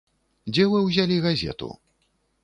Дзе вы ўзялі газету?